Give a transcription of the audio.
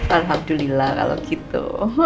alhamdulillah kalau gitu